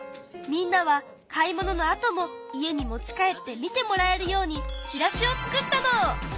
みんなは買い物のあとも家に持ち帰って見てもらえるようにチラシを作ったの！